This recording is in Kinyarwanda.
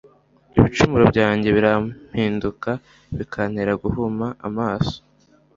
ibicumuro byanjye birampinduka bikantera guhuma amaso